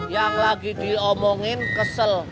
yang lagi diomongin kesel